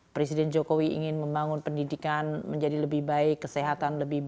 presiden jokowi ingin membangun pendidikan menjadi lebih baik kesehatan